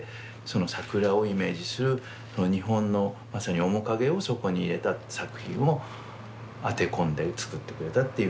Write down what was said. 桜をイメージする日本のまさに面影をそこに入れた作品を当て込んで作ってくれたっていう。